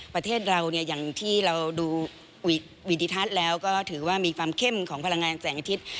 ประเทศเราเนี่ยอย่างที่เราดูวิดิทัศน์แล้วก็ถือว่ามีความเข้มของพลังงานแสงอาทิตย์